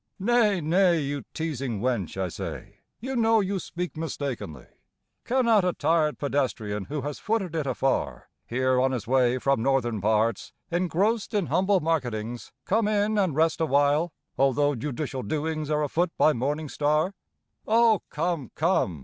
"Nay, nay, you teasing wench, I say! You know you speak mistakenly. Cannot a tired pedestrian who has footed it afar Here on his way from northern parts, engrossed in humble marketings, Come in and rest awhile, although judicial doings are Afoot by morning star?" "O, come, come!"